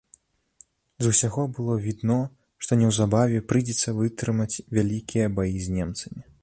З усяго было відно, што неўзабаве прыйдзецца вытрымаць вялікія баі з немцамі.